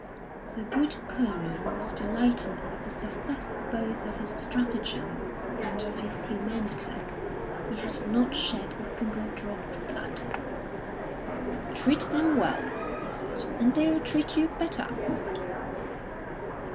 The good Colonel was delighted with the success both of his stratagem and of his humanity. He had not shed a single drop of blood. "Treat them well," he said, "and they'll treat you better."